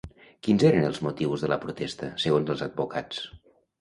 Quins eren els motius de la protesta, segons els advocats?